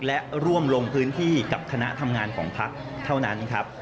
และร่วมลงพื้นที่กับคณะทำงานของพักเท่านั้นครับ